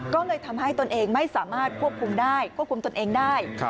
ก็เลยทำให้ตนเองไม่สามารถควบคุมได้ควบคุมตนเองได้